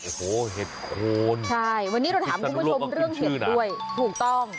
โอ้โหเห็ดโคนใช่วันนี้เราถามคุณผู้ชมเรื่องเห็ดด้วยถูกต้อง